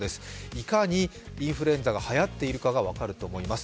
いかにインフルエンザがはやっているかが分かると思います。